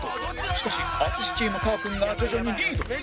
しかし淳チームかーくんが徐々にリード